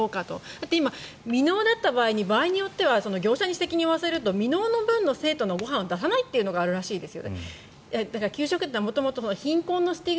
だって今、未納だった場合に場合によっては業者に責任を負わせると。未納の分の生徒の分のご飯は出さないというのがあるらしいですよ。